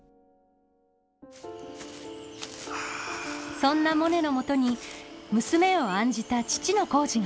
そんなモネのもとに娘を案じた父の耕治がやって来ます。